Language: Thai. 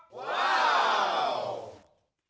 ว้าว